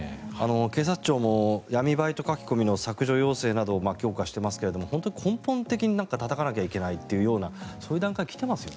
警察庁も闇バイトの書き込みの警戒も強化してますけれども根本的にたたかなきゃいけないようなそういう段階に来ていますよね。